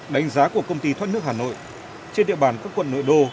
đánh giá của công ty thoát nước hà nội trên địa bàn các quận nội đô